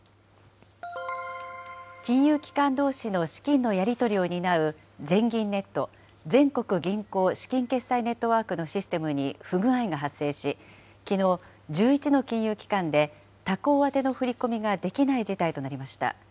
金融機関どうしの資金のやり取りを担う全銀ネット・全国銀行資金決済ネットワークのシステムに不具合が発生し、きのう、１１の金融機関で、他行宛ての振り込みができない事態となりました。